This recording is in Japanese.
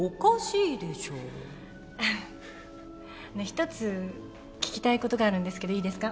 一つ聞きたいことがあるんですけどいいですか？